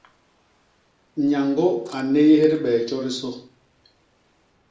Nyañgô a nnéyés dibee tjodisô.